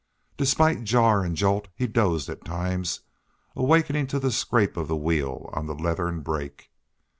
Despite jar and jolt he dozed at times, awakening to the scrape of the wheel on the leathern brake.